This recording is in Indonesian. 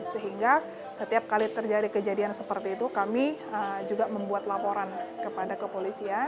sehingga setiap kali terjadi kejadian seperti itu kami juga membuat laporan kepada kepolisian